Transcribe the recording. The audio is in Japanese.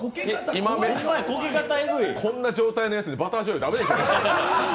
今、こんな状態のやつにバターじょうゆ駄目でしょう。